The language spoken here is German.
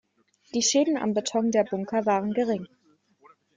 Die Schäden am Beton der Bunker waren gering.